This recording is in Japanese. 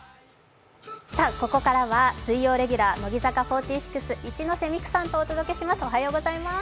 ここからは水曜レギュラー乃木坂４６、一ノ瀬美空さんとお届けします。